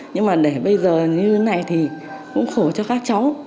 nhưng mà để bây giờ như thế này thì cũng khổ cho các cháu